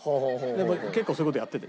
結構そういう事やってて。